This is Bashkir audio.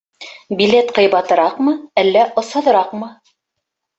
Билет ҡыйбатыраҡмы әллә осһоҙораҡмы?